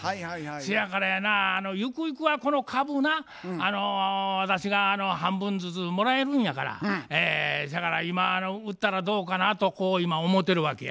せやからやなゆくゆくはこの株が私が半分ずつもらえるんやからせやから今売ったらどうかなとこう今思うてるわけや。